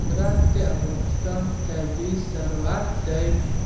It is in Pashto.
زراعت د افغانستان طبعي ثروت دی.